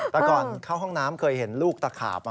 แต่ก่อนเข้าห้องน้ำเคยเห็นลูกตะขาบ